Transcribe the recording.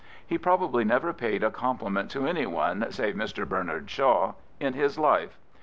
He probably never paid a compli ment to anyone save Mr. Bernard Shaw in his life.